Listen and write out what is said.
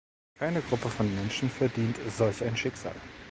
Keine Gruppe von Menschen verdient solch ein Schicksal.